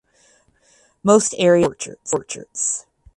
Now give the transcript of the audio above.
Most areas are orchards.